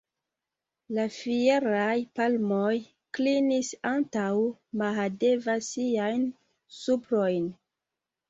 La fieraj palmoj klinis antaŭ Mahadeva siajn suprojn.